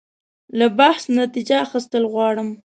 له بحث نتیجه اخیستل غواړم.